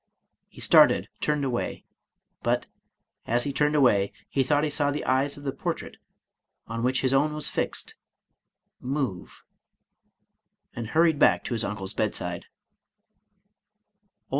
He started, turned away; but, as he turned away, he thought he saw the eyes of the portrait, on which his own was fixed, move, and hurried back to his uncle's bedside.